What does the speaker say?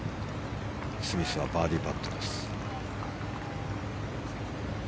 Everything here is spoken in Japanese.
スミスはバーディーパットです。